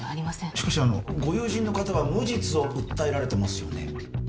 しかしご友人の方は無実を訴えられてますよね